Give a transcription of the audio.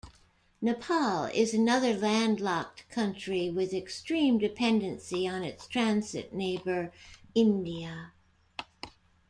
Nepal is another landlocked country with extreme dependency on its transit neighbour India.